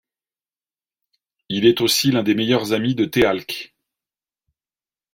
Il est aussi l'un des meilleurs amis de Teal'c.